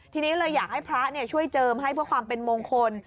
ทีนี้เลยอยากให้พระช่วยเจิมให้เพื่อความเป็นมงคล